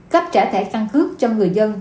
cấp trả thẻ căng cước cho người dân